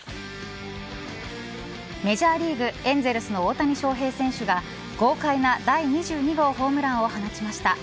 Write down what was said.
メジャーリーグエンゼルスの大谷翔平選手が豪快な第２２号ホームランを放ちました。